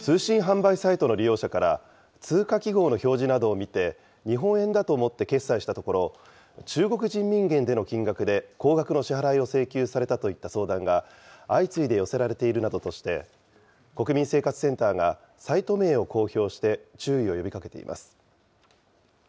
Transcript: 通信販売サイトの利用者から、通貨記号の表示などを見て、日本円だと思って決済したところ、中国人民元での金額で高額の支払いを請求されたといった相談が、相次いで寄せられているなどして、国民生活センターがサイト名を公表して、注意を呼びかけています。